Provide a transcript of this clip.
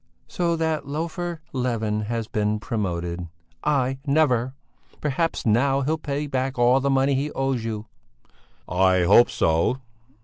"So that loafer Levin has been promoted? I never! Perhaps now he'll pay you back all the money he owes you?" "I hope so!"